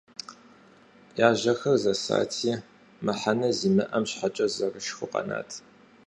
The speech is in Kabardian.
Я жьэхэр зэсати, мыхьэнэ зимыӏэм щхьэкӏэ зэрышхыу къэнат.